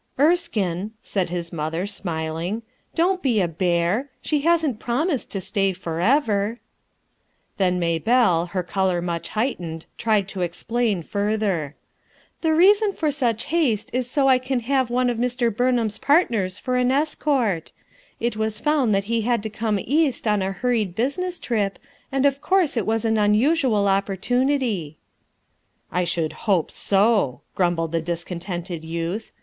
"Erskine," said his mother, smiling^ "don't be a bear ! she hasn't promised to stay forever " Then Maybellc, her eolor much heightened tried to explain further. « Th c reason ) 0J ^ haste is so I can have one of Mr. Bumham s partners for an escort. It was found that he had to come East on a hurried business trip, and of course it was an unusual oppor tunity." "I should hope so!" grumbled the discon tented youth.